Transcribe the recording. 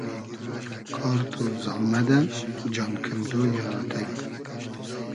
کار تو زامئدۂ ، جان کئندۉ یۂ آتݷ